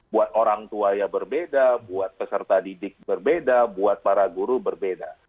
buat orang tua yang berbeda buat peserta didik berbeda buat para guru berbeda